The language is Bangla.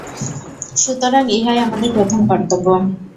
সুতরাং ইহাই আমাদের প্রথম কর্তব্য।